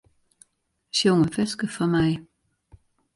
Sjong in ferske foar my.